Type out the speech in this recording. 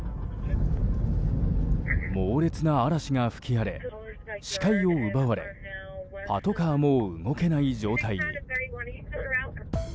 猛烈な嵐が吹き荒れ視界を奪われパトカーも動けない状態に。